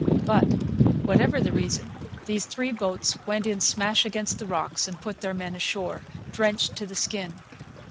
But, whatever the reason, these three boats went in smash against the rocks and put their men ashore, drenched to the skin.